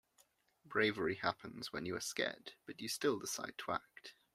Bravery happens when you are scared, but you still decide to act.